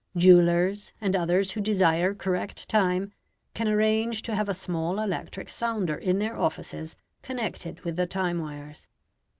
Jewellers, and others who desire correct time, can arrange to have a small electric sounder in their offices connected with the time wires.